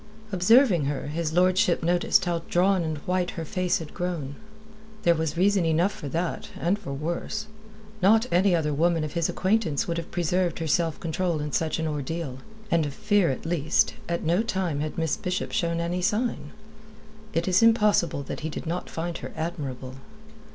Observing her, his lordship noticed how drawn and white her face had grown. There was reason enough for that, and for worse. Not any other woman of his acquaintance would have preserved her self control in such an ordeal; and of fear, at least, at no time had Miss Bishop shown any sign. It is impossible that he did not find her admirable.